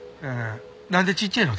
なんでちっちぇえの？